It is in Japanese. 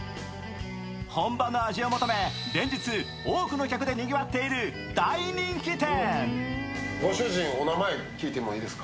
本場の味を求め連日、多くの客でにぎわっている大人気店。